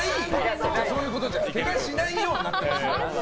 けがしないようになってます。